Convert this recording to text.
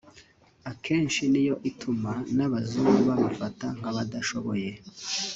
akenshi niyo ituma n’Abazungu babafata nk’abadashoboye